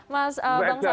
mas bang safir ya